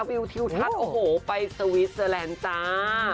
วิวทิวทัศน์โอ้โหไปสวิสเตอร์แลนด์จ้า